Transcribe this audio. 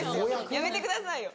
やめてくださいよ。